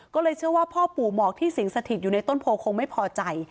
ก็เลยเชื่อว่าพ่อปู่หมอกที่สิงสถิตอยู่ในต้นโพคงไม่พอใจ